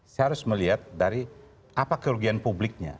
saya harus melihat dari apa kerugian publiknya